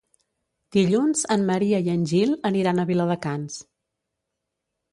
Dilluns en Maria i en Gil aniran a Viladecans.